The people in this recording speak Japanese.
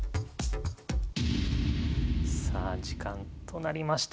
さあ時間となりました。